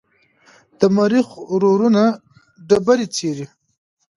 د مریخ روورونه ډبرې څېړي.